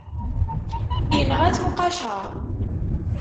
Inɣa-t uqaceṛ.